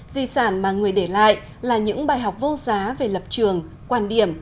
di sản mà người để lại là những bài học vô giá về lập trường quan điểm